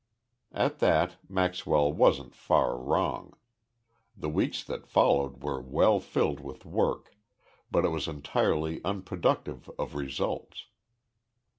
At that Maxwell wasn't far wrong. The weeks that followed were well filled with work, but it was entirely unproductive of results.